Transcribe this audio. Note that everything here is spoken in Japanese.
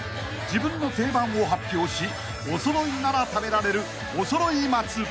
［自分の定番を発表しおそろいなら食べられるおそろい松］